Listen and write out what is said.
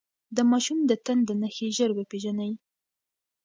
د ماشوم د تنده نښې ژر وپېژنئ.